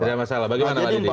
jadi mbama kasus simulator tadi